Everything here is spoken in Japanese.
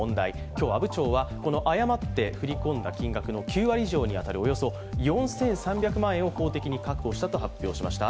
今日、阿武町は誤って振り込んだ金額の９割以上に当たるおよそ４３００万円を公的に確保したと発表しました。